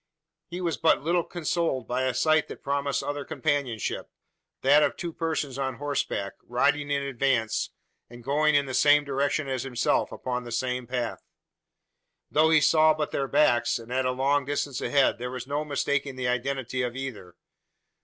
He was but little consoled by a sight that promised other companionship: that of two persons on horseback, riding in advance, and going in the same direction as himself, upon the same path. Though he saw but their backs and at a long distance ahead there was no mistaking the identity of either.